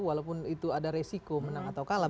walaupun itu ada resiko menang atau kalah